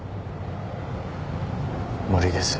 無理です。